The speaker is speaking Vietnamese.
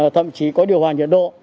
thậm chí có điều hòa nhiệt độ